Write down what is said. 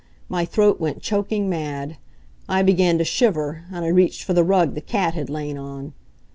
My throat went choking mad. I began to shiver, and I reached for the rug the cat had lain on.